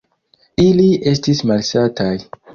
Ili estis malsataj.